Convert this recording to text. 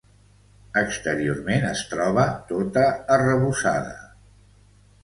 Exteriorment es troba tota arrebossada.